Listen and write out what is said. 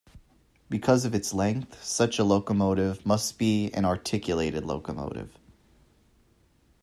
Because of its length, such a locomotive must be an articulated locomotive.